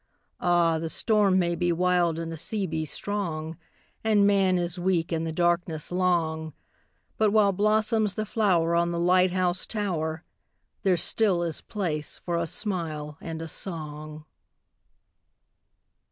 Ah, the storm may be wild and the sea be strong, And man is weak and the darkness long, But while blossoms the flower on the light house tower There still is place for a smile and a song.